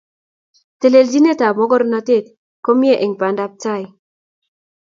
telelchinet ab mokornotet ko mie eng pandab tai